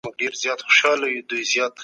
کمزوري کسان د جزيې له ورکولو معاف دي.